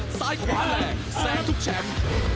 ออกนิดซ้ายขวาแหลงแสงทุกแชมป์